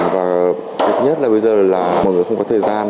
và nhất là bây giờ là mọi người không có thời gian